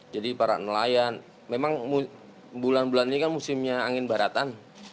jadi para nelayan memang bulan bulan ini kan musimnya angin baratan